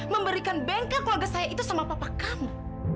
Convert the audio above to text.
memberikan bengkel keluarga saya itu sama papa kamu